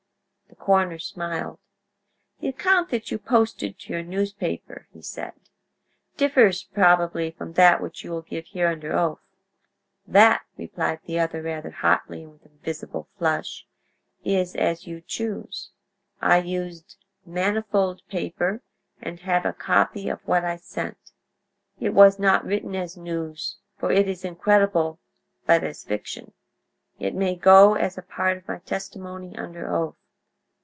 The coroner smiled. "The account that you posted to your newspaper," he said, "differs probably from that which you will give here under oath." "That," replied the other, rather hotly and with a visible flush, "is as you choose. I used manifold paper and have a copy of what I sent. It was not written as news, for it is incredible, but as fiction. It may go as a part of my testimony under oath."